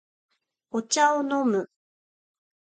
お茶を飲む